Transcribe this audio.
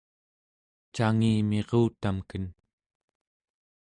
cangimirutamken